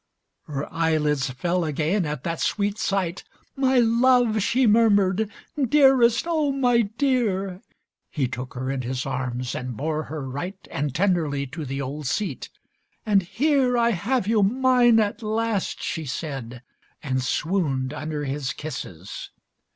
XXXII Her eyelids fell again at that sweet sight, "My Love!" she murmured, "Dearest! Oh, my Dear!" He took her in his arms and bore her right And tenderly to the old seat, and "Here I have you mine at last," she said, and swooned Under his kisses.